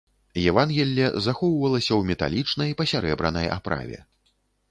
Евангелле захоўвалася ў металічнай пасярэбранай аправе.